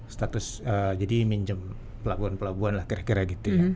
status jadi minjem pelabuhan pelabuhan lah kira kira gitu ya